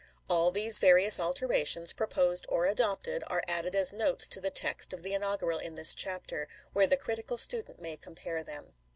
All these various alterations, proposed or adopted, are added as notes to the text of the in augural in this chapter, where the critical student may compare them.